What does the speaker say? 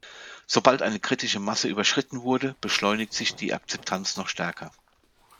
Sobald eine „kritische Masse“ überschritten wurde, beschleunigt sich die Akzeptanz noch stärker.